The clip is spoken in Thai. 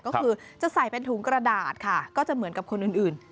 ก็คือจะใส่เป็นถุงกระดาษค่ะก็จะเหมือนกับคนอื่น